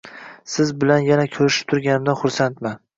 Siz bilan yana ko'rishib turganimdan xursandman.